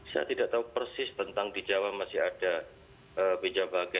saya tidak tahu persis tentang di jawa masih ada meja bage